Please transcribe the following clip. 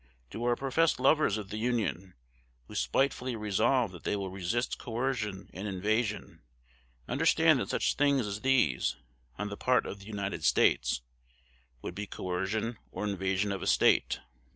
Do our professed lovers of the Union, who spitefully resolve that they will resist coercion and invasion, understand that such things as these, on the part of the United States, would be coercion or invasion of a State?